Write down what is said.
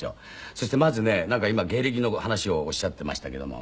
そしてまずねなんか今芸歴の話をおっしゃっていましたけども。